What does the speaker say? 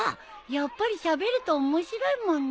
やっぱりしゃべると面白いもんね。